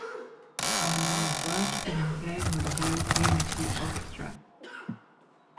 À la même époque, il intègre le Globe Unity Orchestra.